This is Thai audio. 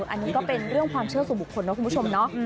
อันนี้ก็เป็นเรื่องความเชื่อสู่บุคคลนะคุณผู้ชมเนาะ